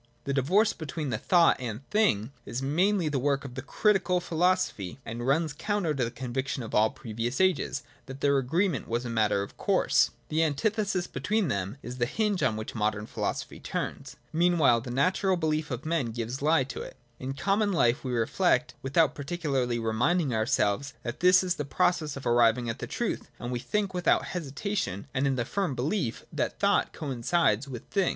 The divorce between thought and thing is mainly the work of the Critical Philosophy, and runs counter to the conviction of all previous ages, that their agreement was a matter of course. The antithesis between 44 PRELIMINARY NOTION. [22 23. them is the hinge on which modern philosophy turns. Meanwhile the natural belief of men gives the lie to it. In common life we reflect, without particularly reminding our selves that this is the process of arriving at the truth, and we think without hesitation, and in the firm belief that thought coincides with thing.